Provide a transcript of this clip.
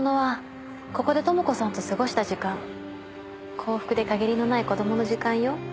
幸福でかげりのない子供の時間よ。